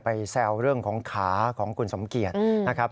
แซวเรื่องของขาของคุณสมเกียจนะครับ